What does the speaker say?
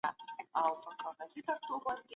تخنیکي وسایل په ډېرو برخو کي کارول کیږي.